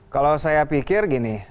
kalau saya pikir gini